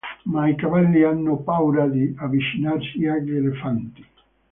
Ma i cavalli hanno paura di avvicinarsi agli elefanti.